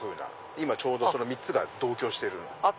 今ちょうどその３つが同居してる。